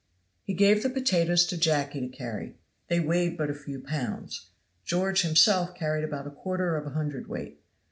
He gave the potatoes to Jacky to carry. They weighed but a few pounds. George himself carried about a quarter of a hundredweight.